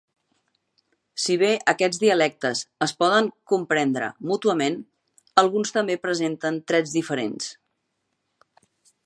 Si bé aquests dialectes es poden comprendre mútuament, alguns també presenten trets diferents.